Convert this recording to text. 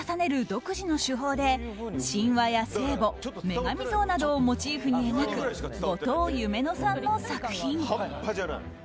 独自の手法で神話や聖母、女神像などをモチーフに描く後藤夢乃さんの作品。